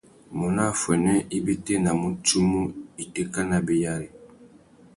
Mônô affuênê i bétēnamú tsumu itéka nabéyari.